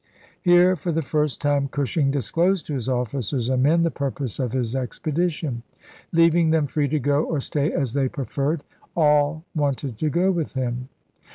Here for the first time Cushing disclosed to his officers and men the purpose of his expedition, leaving them free to go or stay as they preferred ; all wanted to go with him.